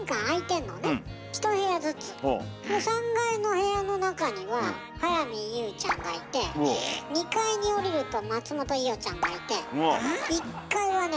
３階の部屋の中には早見優ちゃんがいて２階に下りると松本伊代ちゃんがいて１階はね